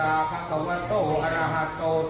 น้าโมตัสตร์น้าโมตัสตร์พระสวัสดิ์โตสัมมาสัมพุทธศาสตร์